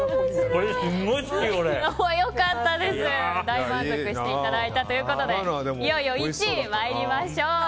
大満足していただいたということでいよいよ１位に参りましょう。